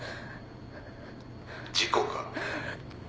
事故か？